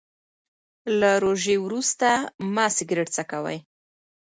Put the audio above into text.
له روژې وروسته مه سګریټ څکوئ.